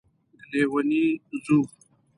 لیونی ځو